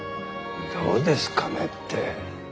どうですかねって。